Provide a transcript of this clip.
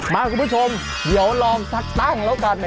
คุณผู้ชมเดี๋ยวลองสักตั้งแล้วกัน